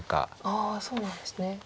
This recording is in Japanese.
ああそうなんですね。